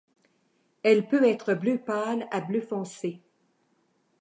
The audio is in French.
Elle peut être bleu pâle à bleu foncé.